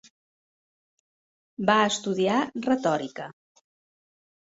Va estudiar retòrica.